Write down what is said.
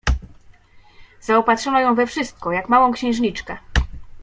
Zaopatrzono ją we wszystko, jak małą księżniczkę.